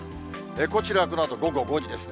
こちら、このあと午後５時ですね。